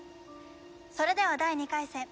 それでは第２回戦